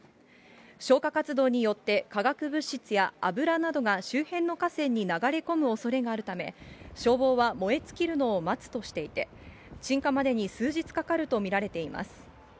消火活動によって、化学物質や油などが周辺の河川に流れ込むおそれがあるため、消防は燃え尽きるのを待つとしていて、鎮火までに数日かかると見られています。